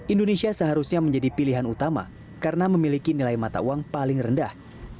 indonesia seharusnya menjadi pilihan utama karena memiliki nilai mata uang paling rendah